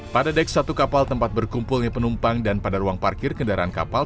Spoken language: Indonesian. pada deks satu kapal tempat berkumpulnya penumpang dan pada ruang parkir kendaraan kapal